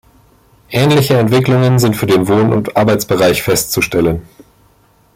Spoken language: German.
Ähnliche Entwicklungen sind für den Wohn- und Arbeitsbereich festzustellen.